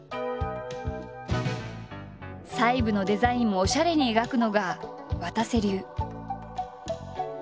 細部のデザインもおしゃれに描くのがわたせ流。